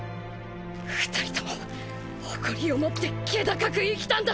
２人とも誇りを持って気高く生きたんだ。